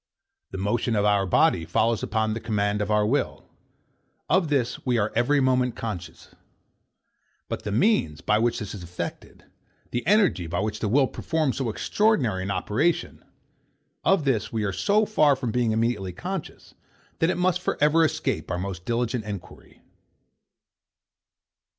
The motion of our body follows upon the command of our will. Of this we are every moment conscious. But the means, by which this is effected; the energy, by which the will performs so extraordinary an operation; of this we are so far from being immediately conscious, that it must for ever escape our most diligent enquiry.